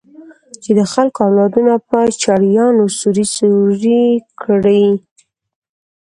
چې د خلکو اولادونه په چړيانو سوري سوري کړي.